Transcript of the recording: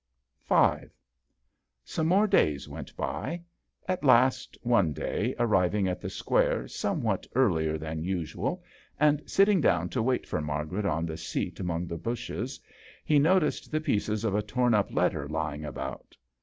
V. >OME more days went by. At last, one day, arriving at the Square somewhat earlier than usual, and sitting down to wait for Margaret on the seat among the bushes, he noticed the pieces of a torn up letter lying about.